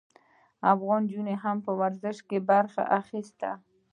افغان نجونو هم په ورزش کې برخه اخیستې.